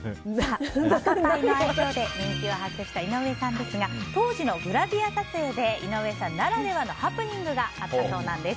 ワカパイの愛称で人気を博した井上さんですが当時のグラビア撮影で井上さんならではのハプニングがあったそうなんです。